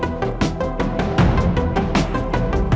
ไอเพื่อนอิทอย่าไปกลัว